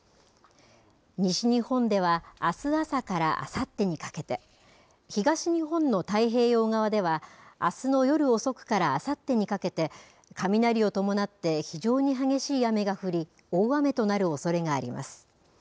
西日本では、あす朝からあさってにかけて、東日本の太平洋側では、あすの夜遅くからあさってにかけて、雷を伴って、非常に激しい雨が降り、大雨となるおそれがあります。